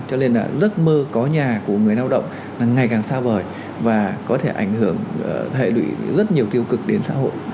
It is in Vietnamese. cho nên là giấc mơ có nhà của người lao động là ngày càng xa vời và có thể ảnh hưởng hệ lụy rất nhiều tiêu cực đến xã hội